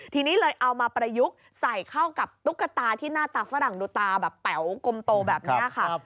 ทีนี้เลยเอามาประยุกต์ใส่เข้ากับตุ๊กตาที่หน้าตาฝรั่งดูตาแบบแป๋วกลมโตแบบนี้ค่ะ